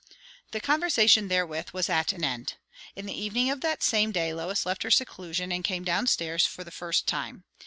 The conversation therewith was at an end. In the evening of that same day Lois left her seclusion and came down stairs for the first time.